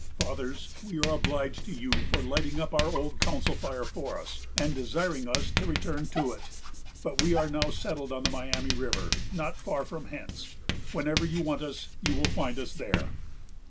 Fathers, we are obliged to you for lighting up our old council fire for us, and desiring us to return to it; but we are now settled on the Miami River, not far from hence: whenever you want us, you will find us there."